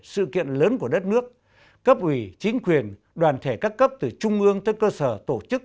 sự kiện lớn của đất nước cấp ủy chính quyền đoàn thể các cấp từ trung ương tới cơ sở tổ chức